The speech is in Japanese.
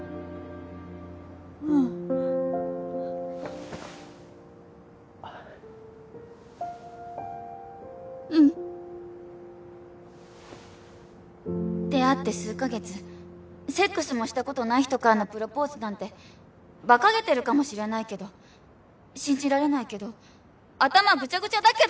うんうん出会って数カ月セックスもしたことない人からのプロポーズなんてバカげてるかもしれないけど信じられないけど頭ぐちゃぐちゃだけど